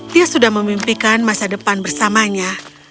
dia sudah memimpikan masa depan bersamanya